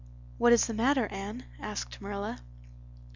"What is the matter, Anne?" asked Marilla.